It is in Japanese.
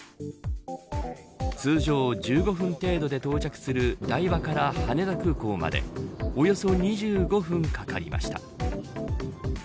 通常、１５分程度で到着する台場から羽田空港までおよそ２５分かかりました。